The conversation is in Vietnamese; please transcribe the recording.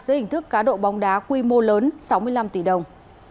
dưới hình thức cá độ bóng đá quy mô lớn sáu mươi năm tỷ đồng